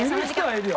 いるよ。